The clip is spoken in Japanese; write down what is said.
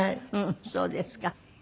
そうですか。